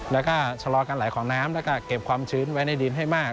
แล้วก็ชะลอการไหลของน้ำแล้วก็เก็บความชื้นไว้ในดินให้มาก